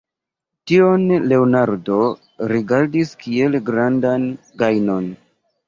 Tion Leonardo rigardis kiel grandan gajnon.